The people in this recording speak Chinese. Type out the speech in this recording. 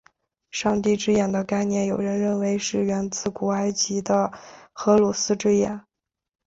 上帝之眼的概念有人认为是源自古埃及的荷鲁斯之眼。